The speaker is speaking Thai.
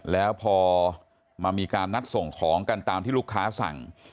แล้วพอมามีการนัดส่งของกันตามที่ลูกค้าสั่ง